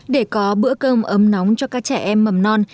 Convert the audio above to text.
để có bữa cơm ấm nóng cho các trẻ em mầm non